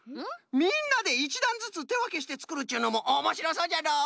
みんなで１だんずつてわけしてつくるっちゅうのもおもしろそうじゃのう。